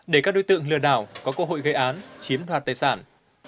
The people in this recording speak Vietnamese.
để các đối tượng lừa đảo có cơ hội gây án chiếm đoạt tài sản